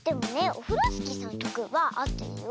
オフロスキーさんのきょくはあってるよ。